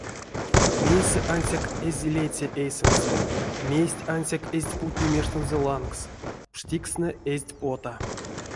Мейсэ ансяк эзть леця эйсэнзэ, мезть ансяк эзть путне мештензэ лангс — пштикстнэ эзть пота.